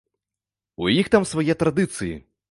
У іх там свае традыцыі.